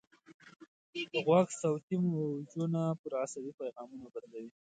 غوږ صوتي موجونه پر عصبي پیغامونو بدلوي.